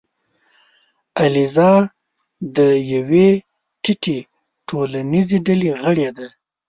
الیزا د یوې ټیټې ټولنیزې ډلې غړې ده.